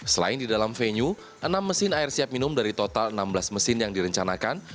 selain di dalam venue enam mesin air siap minum dari total enam belas mesin yang direncanakan